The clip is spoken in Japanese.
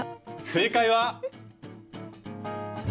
正解は！